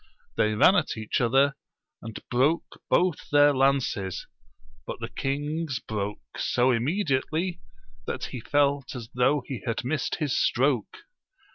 They ran at each other, and broke both their lances ; but the king's broke so immedi ately, that he felt as though he had missed his stroke.